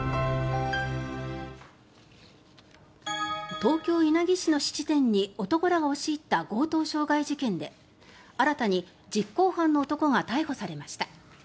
東京・稲城市の質店に男らが押し入った強盗傷害事件で新たに実行犯の男が逮捕されました。